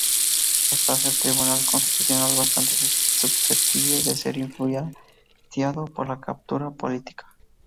Esto hace al Tribunal Constitucional bastante susceptible de ser influenciado por la captura política.